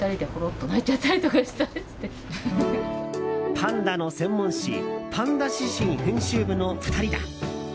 パンダの専門誌「パンダ自身」編集部の２人だ。